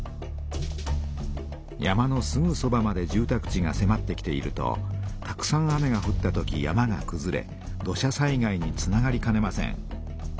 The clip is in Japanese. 山のすぐそばまで住たく地がせまってきているとたくさん雨がふったとき山がくずれ土砂災害につながりかねません。